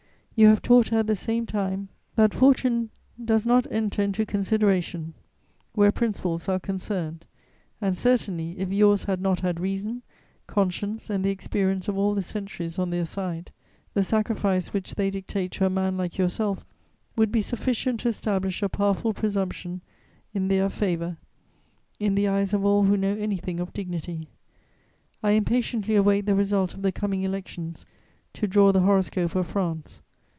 You have taught her at the same time that fortune does not enter into consideration where principles are concerned; and certainly, if yours had not had reason, conscience and the experience of all the centuries on their side, the sacrifice which they dictate to a man like yourself would be sufficient to establish a powerful presumption in their favour in the eyes of all who know anything of dignity. "I impatiently await the result of the coming elections to draw the horoscope of France.